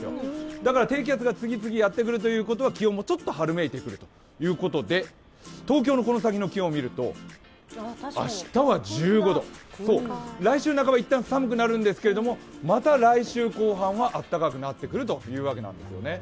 だから低気圧が次々やってくるということは気温もちょっと春めいてくるということで、東京のこの先の気温を見ると、明日は１５度、来週半ば、一旦寒くなるんですけどまた、来週後半はあったかくなってくるというわけなんです。